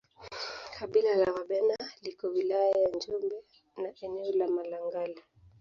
Kabila la Wabena liko wilaya ya Njombe na eneo la Malangali